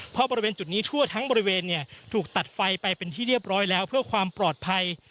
เพราะบริเวณจุดนี้ทั่วทั้งบริเวณถูกตัดไฟไปเป็นที่เรียบร้อยแล้วเพื่อความปลอดภัย